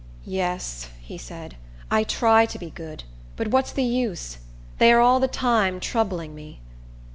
"Yes," he said, "I try to be good; but what's the use? They are all the time troubling me."